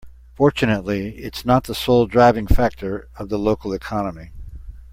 Fortunately its not the sole driving factor of the local economy.